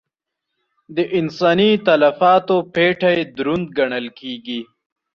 د انساني تلفاتو پېټی دروند ګڼل کېږي.